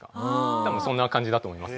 多分そんな感じだと思います。